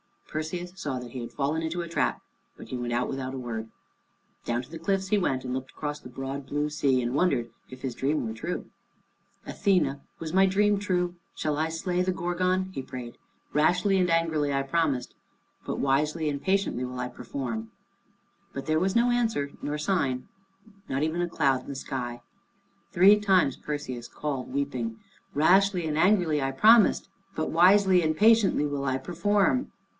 Perseus saw that he had fallen into a trap, but he went out without a word. Down to the cliffs he went, and looked across the broad blue sea, and wondered if his dream were true. "Athene, was my dream true? Shall I slay the Gorgon?" he prayed. "Rashly and angrily I promised, but wisely and patiently will I perform." But there was no answer nor sign, not even a cloud in the sky. Three times Perseus called, weeping, "Rashly and angrily I promised, but wisely and patiently will I perform."